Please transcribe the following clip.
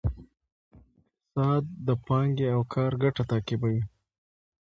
اقتصاد د پانګې او کار ګټه تعقیبوي.